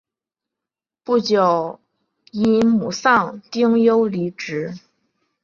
不久因母丧丁忧离职。